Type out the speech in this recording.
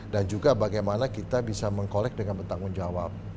dan juga bagaimana kita bisa mengkolek dengan bertanggung jawab